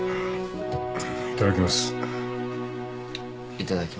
いただきます。